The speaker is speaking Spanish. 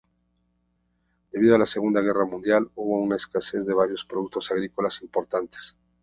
Debido a la Segunda Guerra Mundial, hubo una escasez de varios productos agrícolas importantes.